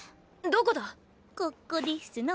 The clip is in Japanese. どこだ？